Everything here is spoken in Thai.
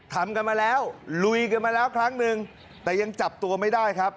ทำกันมาแล้วลุยกันมาแล้วครั้งหนึ่งแต่ยังจับตัวไม่ได้ครับ